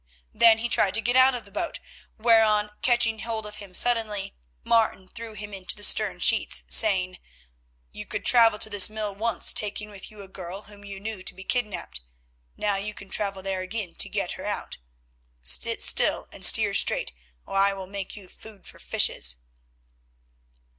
Then he tried to get out of the boat, whereon, catching hold of him suddenly, Martin threw him into the stern sheets, saying: "You could travel to this mill once taking with you a girl whom you knew to be kidnapped, now you can travel there again to get her out. Sit still and steer straight, or I will make you food for fishes."